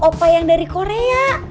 opa yang dari korea